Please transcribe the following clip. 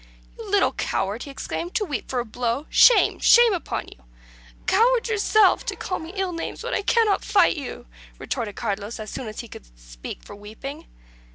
"You little coward!" he exclaimed, "to weep for a blow. Shame shame upon you." "Coward yourself, to call me ill names when I cannot fight you," retorted Carlos, as soon as he could speak for weeping.